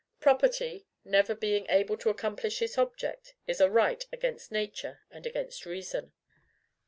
Property, never being able to accomplish its object, is a right against Nature and against reason.